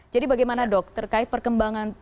jadi bagaimana dok terkait perkembangan